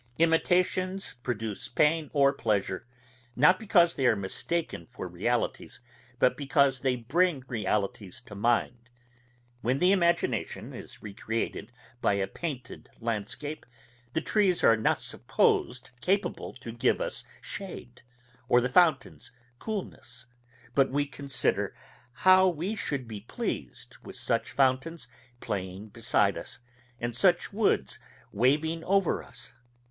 Imitations produce pain or pleasure, not because they are mistaken for realities, but because they bring realities to mind. When the imagination is recreated by a painted landscape, the trees are not supposed capable to give us shade, or the fountains coolness; but we consider, how we should be pleased with such fountains playing beside us, and such woods waving over us.